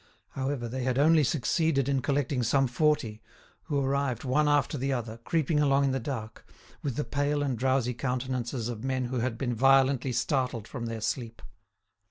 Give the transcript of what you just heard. However, they had only succeeded in collecting some forty, who arrived one after the other, creeping along in the dark, with the pale and drowsy countenances of men who had been violently startled from their sleep.